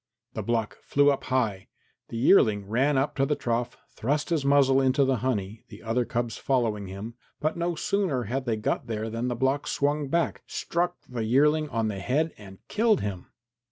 The block flew up high. The yearling ran up to the trough, thrust his muzzle into the honey, the other cubs followed him, but no sooner had they got there than the block swung back, struck the yearling on the head and killed him.